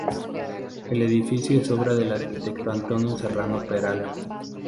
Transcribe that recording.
El edificio es obra del arquitecto Antonio Serrano Peral.